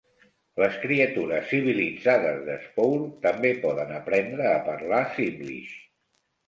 Les Criatures civilitzades de "Spore" també poden aprendre a parlar Simlish.